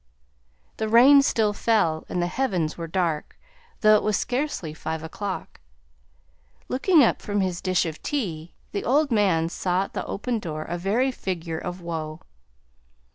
The rain still fell, and the heavens were dark, though it was scarcely five o'clock. Looking up from his "dish of tea," the old man saw at the open door a very figure of woe.